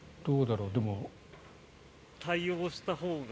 対応したほうが。